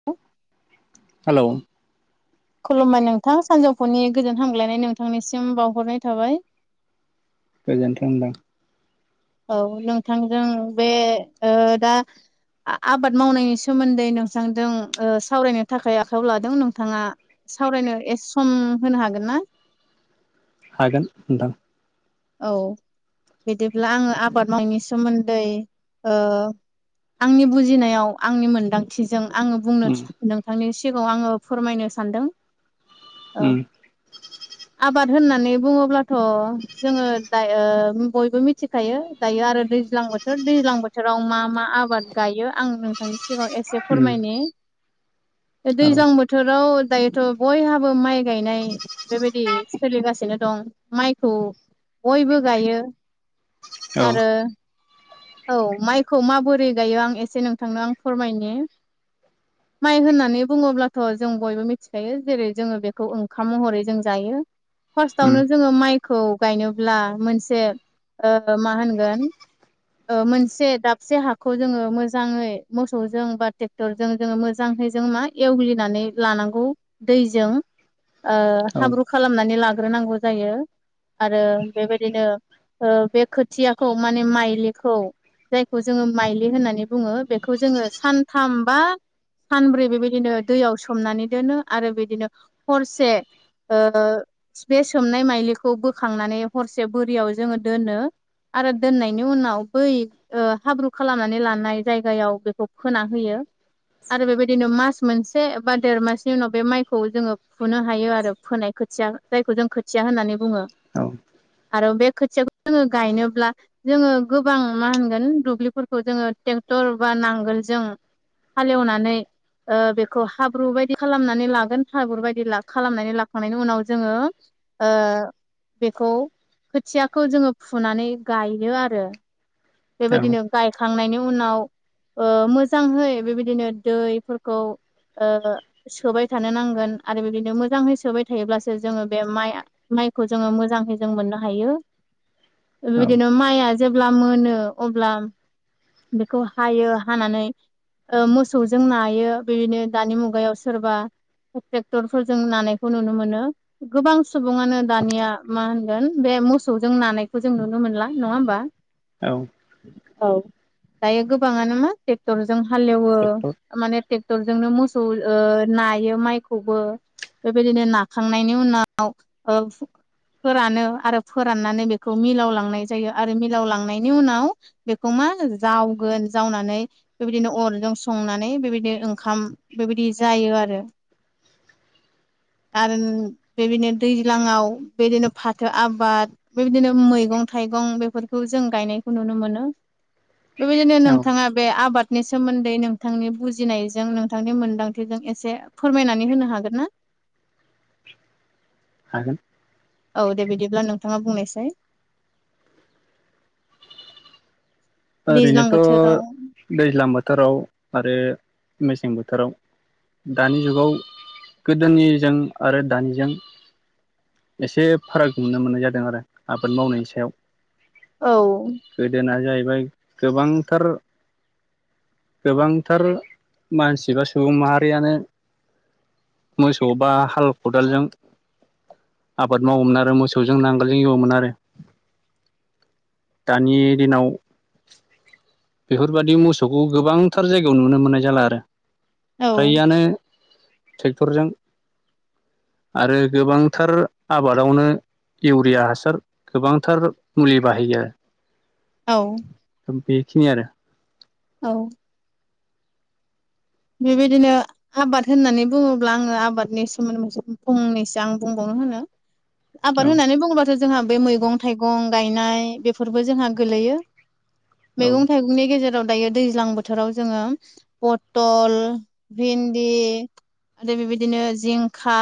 [inaudible] Hello खुलुमबाय नोंथां सानजौफुनि गोजोन हामग्लायनाय नोंथांनिसिम बावहरनाय थाबाय। गोजोन्थों नोंथां औ नोंथांजों बे ओ दा आ-आबाद मावनायनि सोमोन्दै नोंथांजों ओ सावरायनो थाखाय आखायाव लादों नोंथाङा सावरायनो एस सम होनो हागोन ना? हागोन नोंथां। औ बिदिब्ला आङो आबाद मावनायनि सोमोन्दै ओ आंनि बुजिनायाव आंनि मोनदां थिजों आङो बुंनो उम नोंथांनि सिगाङाव आङो फोरमायनो सानदों। औ उम आबाद होननानै बुङोब्लाथ' जोङो दायो ओ बयबो मिथिखायो दायो आरो दैज्लां बोथोर दैज्लां बो थोराव मा मा आबाद गायो आं नोंथांनि सिगाङाव एसे उम फोरमायनि। औ दैज्लां बोथोराव दायोथ' बयहाबो माइ गायनाय बेबायदि सोलिगासिनो दं माइखौ बयबो गायो औ आरो औ माइखौ माबोरै गायो आं एसे नोंथांनो आं फोरमायनि [inaudible] माइ होननानै बुङोब्लाथ' जों बयबो मिथिखायो जेरै जोङो बेखौ ओंखाम महरै जों जायो। उम फार्स्टआवनो जोङो माइखौ गायनोब्ला मोनसे ओ मा होनगोन ओ मोनसे दाबसे हाखौ जोङो मोजाङै मोसौजों बा ट्रेक्टरजों जोङो मोजांहै जों मा एवग्लिनानै लानांगौ दैजों। ओ औ हाब्रु खालामनानै लाग्रोनांगौ जायो। आरो बेबायदिनो ओ बे खोथियाखौ माने माइलि खौ जायखौ जोङो माइलि होननानै बुङो बेखौ जोङो सानथाम बा सानब्रै बेबायदिनो दैयाव सोमनानै दोनो आरो बिदिनो हरसे ओ बे सोमनाय माइलिखौ बोखांनानै हरसे बोरियाव जोङो दोनो। आरो दोननायनि उनाव बै ओ हाब्रु खालामनानै लानाय जायगायाव बेखौ फोना होयो। आरो बेबायदिनो मास मोनसे बा देर मासनि उनाव बे माइखौ जोङो फुनो हायो आरो फोनाय खोथिया जायखौ जों खोथिया होननानै बुङो। औ। आरो बे खोथियाखौ जोङो गायनोब्ला जोङो गोबां मा होनगोन दुब्लिफोरखौ जोङो ट्रेक्टर बा नांगोलजों हालेवनानै ओ बेखौ हाब्रु बायदि खालामनानै लागोन हाब्रु बायदि खालामनानै लाखांनायनि उनाव जोङो ओ बेखौ खोथियाखौ जोङो फुनानै गायो आरो। बेबायदिनो गायखांनायनि उनाव ओ मोजांहै बेबायदिनो दैफोरखौ ओ सोबाय थानो नांगोन। आरो बिबादिनो मोजाङै सोबाय थायोब्लासो जोङो बे माइआ माइखौ जोङो मोजांहै जों मोननो हायो। औ बेबायदिनो माइआ अब्ला मोनो अब्ला बेखौ हायो हानानै ओ मोसौजों नायो बेबादिनो दानि मुगायाव सोरबा ट्रेक्टरफोरजों नानायखौ नुनो मोनो। गोबां सुबुङानो दानिया मा होनगोन बे मोसौजों नानायखौ जों नुनो मोनला। नङा होमबा? औ। औ दायो गोबाङानो मा ट्रेक्टरजों हालेवो ट्रेक्टर माने ट्रेक्टरजोंनो मोसौ ओ नायो माइखौबो। बेबायदिनो नाखांनायनि उनाव ओ फोरानो आरो फोराननानै बेखौ मिलाव लांनाय जायो आरो मिलाव लांनायनि उनाव बेखौ मा जावगोन जावनानै बेबायदिनो अरजों संनानै बेबायदिनो ओंखाम बेबायदि जायो आरो। लांदां आरो बेबायदिनो दैज्लाङाव बेदिनो फाथो आबाद बेबायदिनो मैगं थाइगं बेफोरखौ जों गायनायखौ नुनो मोनो। बेबायदिनो औ नोंथाङा बे आबादनि सोमोन्दै नोंथांनि बुजिनायजों नोंथांनि मोनदांथिजों एसे फोरमायनानै होनो हागोन ना? हागोन औ दे बिदिब्ला नोंथाङा बुंनायसाय। दैज्लां ओरैनोथ' बोथोराव दैज्लां बोथोराव आरो मेसें बोथोराव दानि जुगाव गोदोनिजों आरो दानिजों एसे फाराग नुनो मोननाय जादों आरो। आबाद मावनायनि सायाव। औ गोदोना जाहैबाय गोबांथार गोबांथार मानसि बा सुबुं माहारियानो मोसौ बा हाल खदालजों आबाद मावोमोन आरो मोसौजों नांगोलजों एवोमोन आरो। दानि दिनाव बेफोरबायदि मोसौखौ गोबांथार जायगायाव नुनो मोननाय जाला आरो। औ फ्रायआनो ट्रेक्टरजों आरो गोबांथार आबादावनो इउरिया हासार गोबांथार मुलि बाहायो आरो। औ बेखिनि आरो। औ बेबायदिनो आबाद होननानै बुङोब्ला आङो आबादनि सोमोन्दै मोनसे फंनैसो आं बुंबावनो होनो। आबाद औ होननानै बुङोबा जोंहा बै मैगं थाइगं गायनाय बेफोरबो जोंहा गोलैयो औ मैगं थाइ गंनि गेजेराव दायो दैज्लां बोथोराव जोङो फद टल भिन्दि आरो बेबायदिनो जिंखा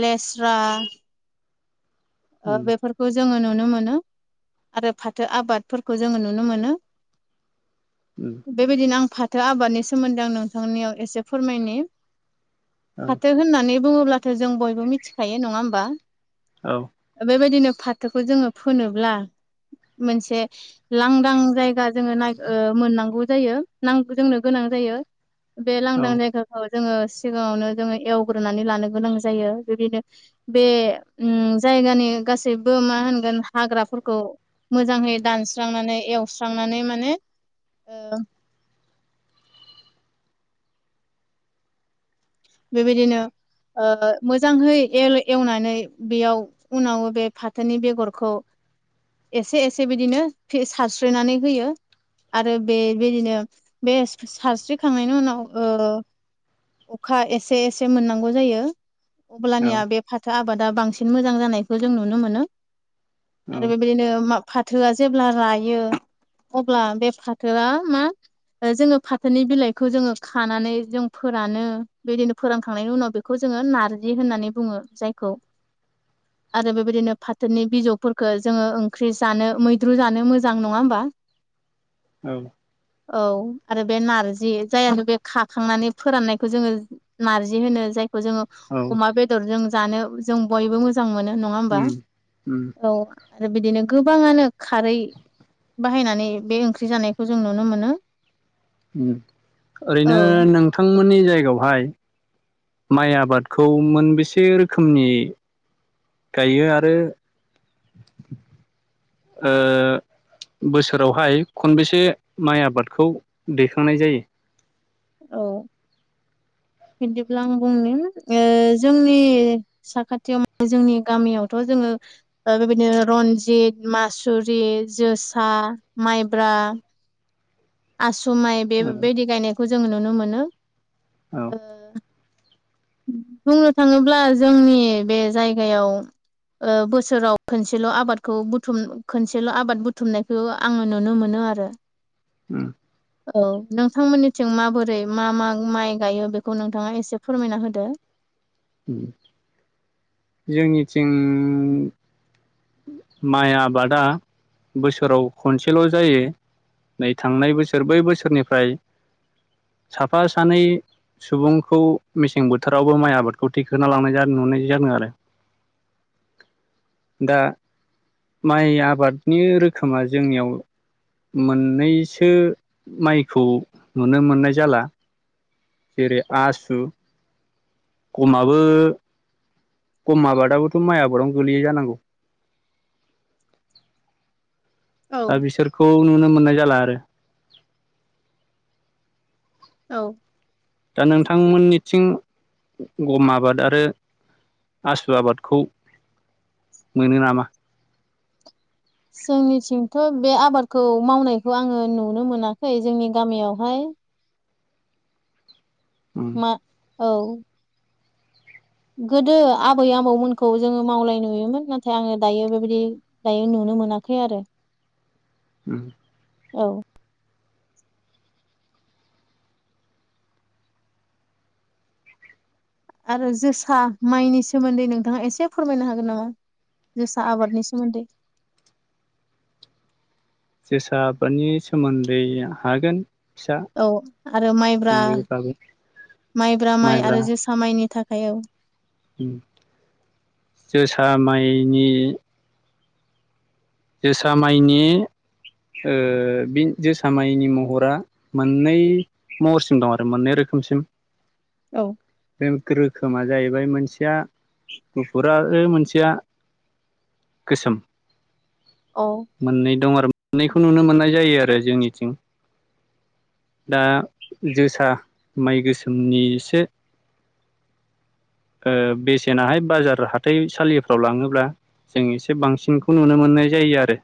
लेस्रा उम बेफोरखौ जोङो नुनो मोनो आरो फाथो आबादफोरखौ जोङो नुनो मोनो। उम बेबायदिनो आं फाथो आबादनि सोमोन्दै आं नोंथांनियाव एसे फोरमायनि औ फाथो होननानै बुङोब्लाथ' जों बयबो मिथिखायो नङा होमबा? औ बेबायदिनो फाथोखौ जोङो फोनोब्ला मोनसे लांदां जायगा जोङो नायख ओ मोननांगौ जायो नां-जोंनो गोनां जायो बे लांदां जायगाखौ औ जोङो सिगाङावनो जोङो एवग्रोनानै लानो गोनां जायो बेबायदि बे उ जायगानि गासैबो मा होनगोन हाग्राफोरखौ मोजांङै दानस्रांनानै एवस्रांनानै माने ओ बेबायदिनो ओ ओ मोजांहै एल-एवनानै बेयाव उनावबो बे फाथोनि बेगरखौ एसे एसे बिदिनो फि-सारस्रोनानै होयो। आरो बेबायदिनो बे स्रो-सारस्रिखांनायनि उनाव ओ अखा एसे एसे मोननांगौ जायो अब्लानिया बे फाथो आबादा बांसिन मोजां जानायखौ जों नुनो मोनो औ आरो बेबायदिनो मा फाथोआ जेब्ला रायो अब्ला बे फाथोआ मा जोङो फाथोनि बिलाइखौ जोङो खानानै जों फोरानो। बेदिनो फोरोनखांनायनि उनाव बेखौ जोङो नारजि होननानै बुङो जायखौ। [inaudible] आरो बेबायदिनो फाथोनि बिजौफोरखौ जोङो ओंख्रि जानो मैद्रु जानो मोजां नङा होमबा। औ औ आरो बे नारजि जायानो बे खाखांनानै फोराननायखौ जोङो नारजि होनो जायखौ जोङो औ औ अमा बेदरजों जानो जों बयबो मोजां मोनो नङा होमबा उम उम औ आरो बिदिनो गोबाङानो खारै बाहायनानै बे ओंख्रि जानायखौ जों नुनो मोनो। औ ओरैनो नोंथांमोननि जायगायावहाय माइ आबादखौ मोनबेसे रोखोमनि गायो आरो ओ बोसोरावहाय खनबेसे माइ आबादखौ दैखांनाय जायो। औ बिदिब्ला आं बुंनो जोंनि साखाथियाव जोंनि गामियावथ' जोङो बेबायदिनो रनजित मासुरि जोसा माइब्रा आस माइ जायो बेबायदि गायनायखौ जों नुनो मोनो। औ ओ बुंनो थाङोब्ला जोंनि बे जायगायाव ओ बोसोराव खनसेल' आबादखौ बुथुम खोनसेल' आबाद बुथुमनायखौ आङो नुनो मोनो आरो उ औ नोंथांमोननिथिं माबोरै मा मा माइ गायो बेखौ नोंथाङा एसे फोरमायना होदो जोंनिथिं माइ आबादा बोसोराव खनसेल' जायो नै थांनाय बोसोर बै बोसोरनिफ्राय साफा सानै सुबुंखौ मेसें बोथोरावबो माइ आबादखौ थिखोना लांनाय नुनाय जादों आरो दा माइ आबादनि रोखोमा जोंनियाव मोननैसो माइखौ नुनो मोननाय जाला जेरै आसु गमाबो गम आबादाबोथ' माइ आबादावनो गोलैयो जानांगौ औ दा बिसोरखौ नुनो मोननाय जाला आरो औ दा नोंथांमोननिथिं गम आबाद आरो आसु आबादखौ मोनो नामा? जोंनिथिंथ' बे आबादखौ मावनायखौ आङो नुनो मोनाखै जोंनि गामियावहाय उम मा औ गोदो आबै आबौमोनखौ जोङो मावलाय नुयोमोन नाथाय आङो दायो बेबायदि दायो नुनो मोनाखै आरो [unintelligible] औ आरो जोसा माइनि सोमोन्दै नोंथाङा एसे फोरमायनो हागोन नामा? जोसा आबादनि सोमोन्दै जोसा आबादनि सोमोन्दै हागोन फिसा औ आरो माइब्रा सुंद'यैब्लाबो माइब्रा माइ आरो जोसा माइनि थाखाय औ जोसा माइनि जोसा माइनि ओ बिन जोसा माइनि महरा मोननै महरसिम दं आरो मोननै रोखोमसिम औ [unintelligible] रोखोमा जाहैबाय मोनसेया गुफुर आरो मोनसेया गोसोम औ मोननै दं आरो मोननैखौ नुनो मोननाय जायो आरो जोंनिथिं दा जोसा माइ गोसोमनि एसे ओ बेसेनाहाय बाजार हाथाइसालिफ्राव लाङोब्ला जों एसे बांसिनखौ नुनो मोननाय जायो आरो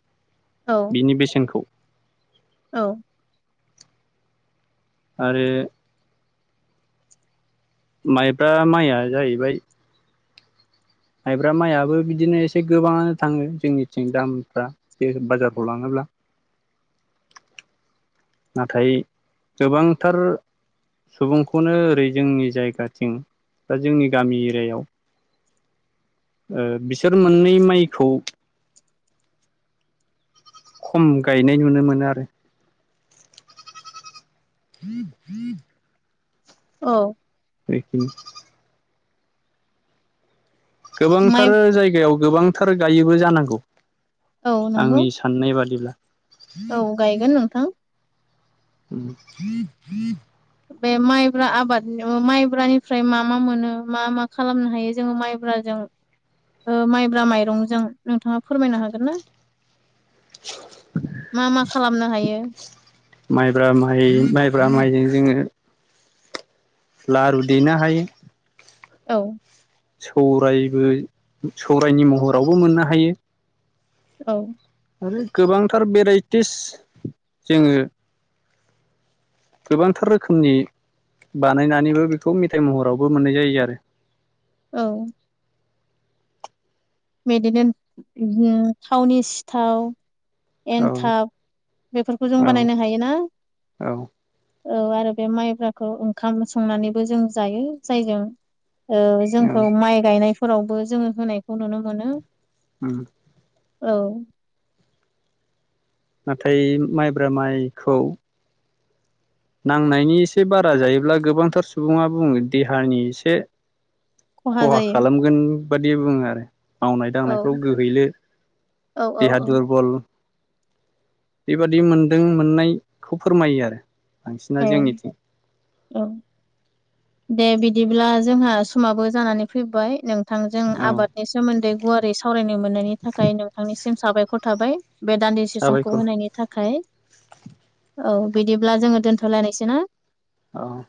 औ बिनि बेसेनखौ औ आरो माइब्रा माइया जाहैबाय माइब्रा माइआबो बिदिनो एसे गोबाङानो थाङो जोंनिथिं दामफ्रा [unintelligible] बाजारफ्राव लाङोब्ला नाथाय गोबांथार सुबुंखौनो ओरै जोंनि जायगाथिं बा जोंनि गामि एरियायाव ओ बिसोर मोननै माइखौ खम गायनाय नुनो मोनो आरो [inaudible] औ [unintelligible] माइ गोबांथार जायगायाव गोबांथार गायोबो जानांगौ औ नंगौ आंनि सा साननाय बादिब्ला। औ गायगोन नोंथां बि बे माइब्रा आबाद माइब्रानिफ्राय मा मा मोनो मा मा खालामनो हायो जोङो माइ ब्राजों माइब्रा माइरंजों नोंथाङा फोरमायनो हागोन ना मा मा खालामनो हायो? माइब्रा माइ माइब्रा माइजों जोङो लारु देनो हायो। औ। सौरायबो सौरायनि महरावबो मोननो हायो। औ। आरो गोबांथार भेराइटिस जोङो गोबांथार रोखोमनि बानायनानैबो बेखौ मेथाइ महरावबो मोननाय जायो आरो। औ। बेदिनो थावनि सिथाव आरो एन्थाब बेफोरखौ जों औ बानायनो हायोना? औ औ आरो बे माइब्राखौ ओंखाम संनानैबो जों जायो। जायजों औ जोंखौ माइ गायनायफोरावबो जोङो होनायखौ नुनो मोनो। [inaudible] औ। नाथाय माइब्रा माइखौ नांनायनि एसे बारा जायोब्ला गोबांथार सुबुङा बुङो देहानि एसे खहा खालामगोन बादि बुङो आरो। मावनाय औ दांनायफ्राव गोहैलो, औ औ देहा औ दुरबल बेबादि मोनदों मोननायखौ फोरमायो आरो बांसिना जोंनिथिं। औ। दे बिदिब्ला जोंहा समाबो जानानै फैबाय नों थांजों औ आबाद नि सोमोन्दै गुवारै सावरायनो मोननायनि थाखाय नोंथांनिसिम साबायखर थाबाय बे दान्दि से समखौ साबायखर होनायनि थाखाय औ बिदिब्ला जोङो दोनथ लायनोसै ना? अह।